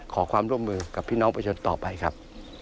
ขอความร่วมมือกับพี่น้องประชาชนต่อไปครับ